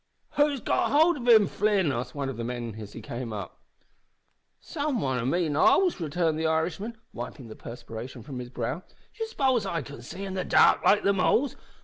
"Who's got hold of him, Flin?" asked one of the men as he came up. "Sorrow wan o' me knows," returned the Irishman, wiping the perspiration from his brow; "d'ye suppose I can see in the dark like the moles?